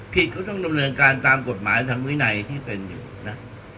ก็ต้องดำเนินการตามกฎหมายทางวินัยที่เป็นอยู่นะ